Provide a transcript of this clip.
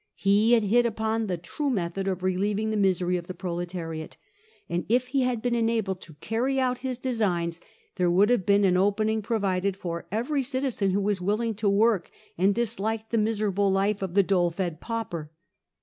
He had hit npon the true method of relieving the misery of the proletariate, and if he had been enabled to carry out his designs, there would have been an opening provided for every citizen who was willing to work, and disliked the miserable life of the dole fed pauper.